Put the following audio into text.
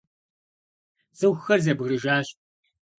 ЦӀыхухэр зэбгрыжащ.